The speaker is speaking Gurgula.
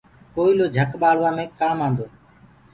ڪوئيِلو جھڪ بآݪوآ مي ڪآن آندو هي۔